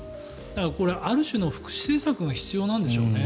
だからこれ、ある種の福祉政策が必要なんでしょうね